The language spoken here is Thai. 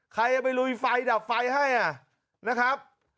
ใครจะไปลุยไฟดับไฟให้นะครับ